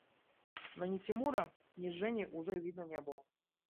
Но ни Тимура, ни Жени уже видно не было.